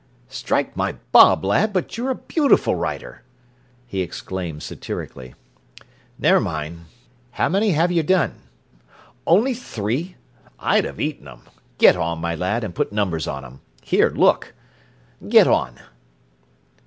"Strike my bob, lad, but you're a beautiful writer!" he exclaimed satirically. "Ne'er mind, how many h'yer done? Only three! I'd 'a eaten 'em. Get on, my lad, an' put numbers on 'em. Here, look! Get on!"